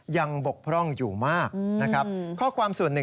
ยังบกพร่องอยู่มาก